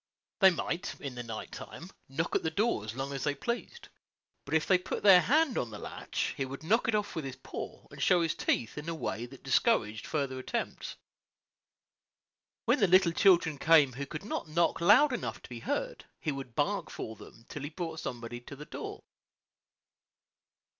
They might, in the night time, knock at the door as long as they pleased; but if they put their hand on the latch, he would knock it off with his paw, and show his teeth in a way that discouraged further attempts. When the little children came who could not knock loud enough to be heard, he would bark for them till he brought somebody to the door.